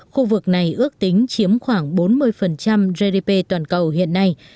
khu vực này ước tính chiếm khoảng bốn mươi gdp toàn cầu hiện nay